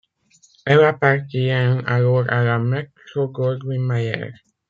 Elle appartient alors à la Metro-Goldwyn-Mayer.